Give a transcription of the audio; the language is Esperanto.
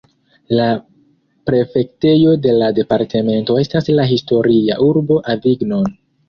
La prefektejo de la departemento estas la historia urbo Avignon.